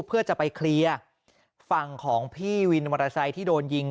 เพื่อจะไปเคลียร์ฝั่งของพี่วินมอเตอร์ไซค์ที่โดนยิง